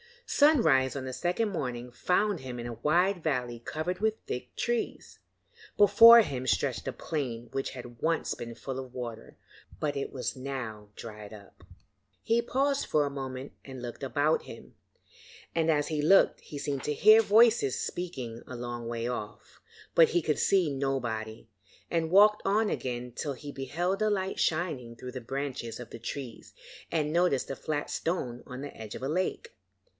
Sunrise on the second morning found him in a wide valley covered with thick trees. Before him stretched a plain which had once been full of water, but it was now dried up. He paused for a moment and looked about him, and as he looked he seemed to hear voices speaking a long way off. But he could see nobody, and walked on again till he beheld a light shining through the branches of the trees and noticed a flat stone on the edge of a lake.